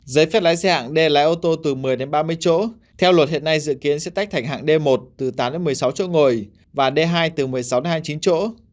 giấy phép lái xe hạng d lái ô tô từ một mươi đến ba mươi chỗ theo luật hiện nay dự kiến sẽ tách thành hạng d một từ tám đến một mươi sáu chỗ ngồi và d hai từ một mươi sáu hai mươi chín chỗ